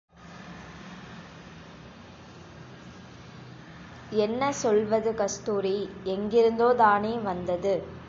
என்ன சொல்வது கஸ்தூரி எங்கிருந்தோதானே வந்தது.